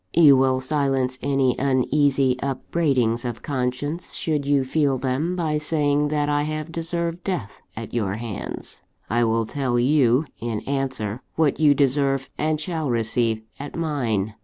"You will silence any uneasy upbraidings of conscience, should you feel them, by saying that I have deserved death at your hands. I will tell you, in answer, what you deserve and shall receive at mine.